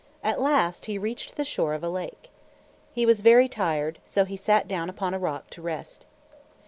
At last he reached the shore of a lake. He was very tired, so he sat down upon a rock to rest.